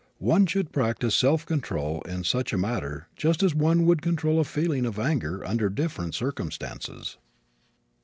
One should practice self control in such a matter just as one would control a feeling of anger under different circumstances.